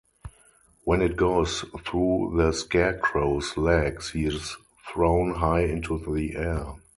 When it goes through the scarecrow's legs, he is thrown high into the air.